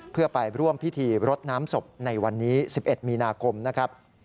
เพื่อไปร่วมพิธีรดน้ำศพในวันนี้๑๑มีนาคมนะครับ